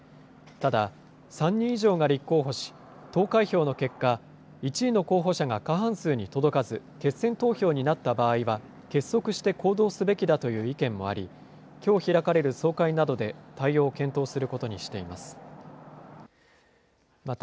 ただ、３人以上が立候補し、投開票の結果、１位の候補者が過半数に届かず、決選投票になった場合は結束して行動すべきだという意見もあり、きょう開かれる総会などで対応を検討することにしています。